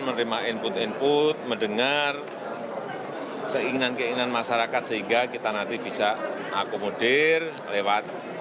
menerima input input mendengar keinginan keinginan masyarakat sehingga kita nanti bisa akomodir lewat